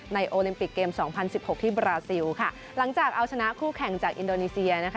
โอลิมปิกเกมสองพันสิบหกที่บราซิลค่ะหลังจากเอาชนะคู่แข่งจากอินโดนีเซียนะคะ